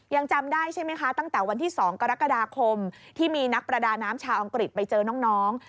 ยังจำได้ใช่ไหมคะตั้งแต่วันที่๒กรกฎาคมที่มีนักประดาน้ำชาวอังกฤษไปเจอน้อง